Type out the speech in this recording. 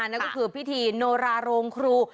นั่นก็คือพิธีโนราโรงครู